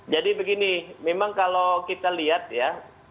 jadi begini memang kalau kita lihat ya